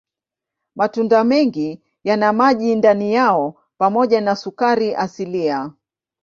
Matunda mengi yana maji ndani yao pamoja na sukari asilia.